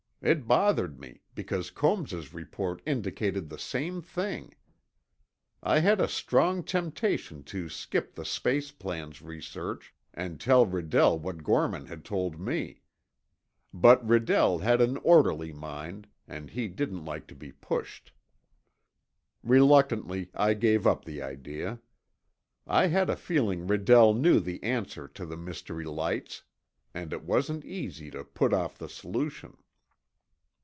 It bothered me, because Combs's report indicated the same thing. I had a strong temptation to skip the space plans research and tell Redell what Gorman had told me. But Redell had an orderly mind, and he didn't like to be pushed. Reluctantly, I gave up the idea. I had a feeling Redell knew the answer to the mystery lights, and it wasn't easy to put off the solution.